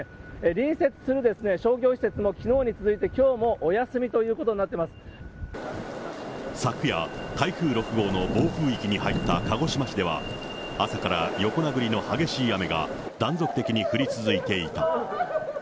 隣接する商業施設もきのうに続いてきょうもお休みということにな昨夜、台風６号の暴風域に入った鹿児島市では、朝から横殴りの激しい雨が断続的に降り続いていた。